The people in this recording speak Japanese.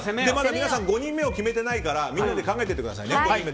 皆さん５人目を決めてないから誰にするか考えてくださいね。